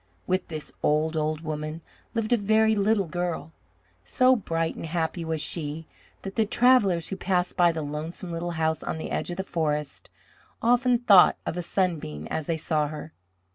With this old, old woman lived a very little girl. So bright and happy was she that the travellers who passed by the lonesome little house on the edge of the forest often thought of a sunbeam as they saw her.